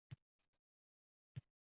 Uyalmay- netmay erkak ayolni